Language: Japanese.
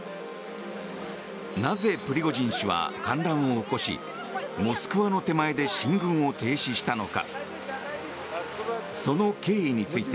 なぜ、プリゴジン氏は反乱を起こしモスクワの手前で進軍を停止したのか。